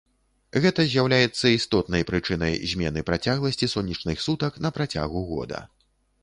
Гэта з'яўляецца істотнай прычынай змены працягласці сонечных сутак на працягу года.